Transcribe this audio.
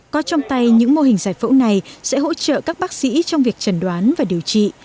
có trong tay những mô hình giải phẫu này sẽ hỗ trợ các bác sĩ trong việc trần đoán và điều trị